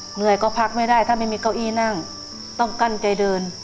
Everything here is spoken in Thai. เหนื่อยก็พักไม่ได้ถ้าไม่มีเก้าอี้นั่งต้องกั้นใจเดิน